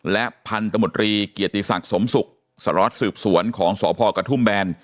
และพันธมตรีเกียรติศักดิ์สมศุกร์สารวัตรสืบสวนของสพกระทุ่มแบน